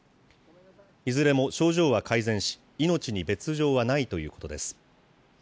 いずれも症状は改善し、命に別状はないということです。